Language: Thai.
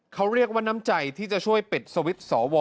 เขาเรียกว่าน้ำใจที่จะช่วยปิดสวิตช์สว